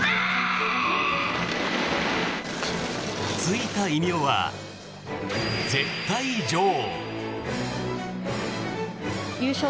ついた異名は絶対女王。